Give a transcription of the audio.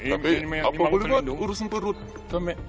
tapi apa boleh buat urusan perut kami